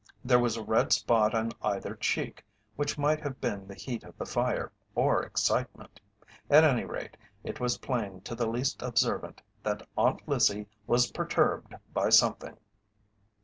There was a red spot on either cheek which might have been the heat of the fire or excitement. At any rate, it was plain to the least observant that Aunt Lizzie was perturbed by something.